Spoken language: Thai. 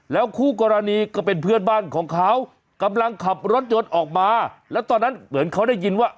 คู่กรณีก็เป็นเพื่อนบ้านของเขากำลังขับรถยนต์ออกมาแล้วตอนนั้นเหมือนเขาได้ยินว่า